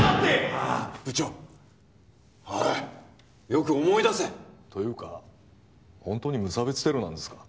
まあ部長おいよく思い出せというかホントに無差別テロなんですか？